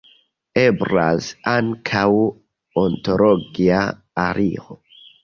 Eblas ankaŭ ontologia aliro.